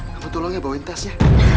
aku tolong ya bawain tasnya